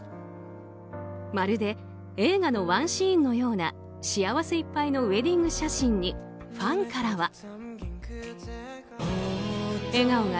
まるで映画のワンシーンのような幸せいっぱいのウェディング写真にファンからは。